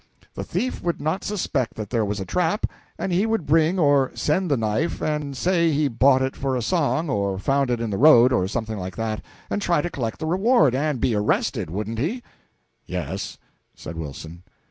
The thief would not suspect that there was a trap, and he would bring or send the knife, and say he bought it for a song, or found it in the road, or something like that, and try to collect the reward, and be arrested wouldn't he?" "Yes," said Wilson.